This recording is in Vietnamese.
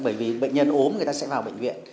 bởi vì bệnh nhân ốm người ta sẽ vào bệnh viện